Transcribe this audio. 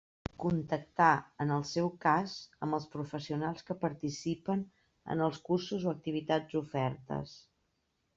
Contactar, en el seu cas, amb els professionals que participen en els cursos o activitats ofertes.